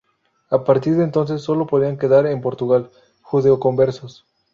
A partir de entonces sólo podían quedar en Portugal judeoconversos.